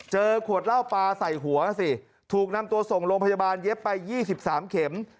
ขวดเหล้าปลาใส่หัวสิถูกนำตัวส่งโรงพยาบาลเย็บไป๒๓เข็ม